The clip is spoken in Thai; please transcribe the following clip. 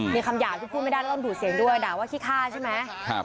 มีคำหยาบที่พูดไม่ได้แล้วต้องดูดเสียงด้วยด่าว่าขี้ฆ่าใช่ไหม